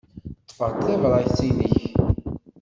Ḍḍfeɣ-d tabṛat-nnek.